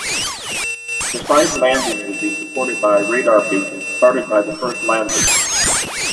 Precise landing would be supported by a radar beacon started by the first lander.